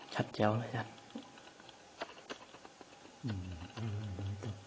ชัดเจี๊ยวเลยครับ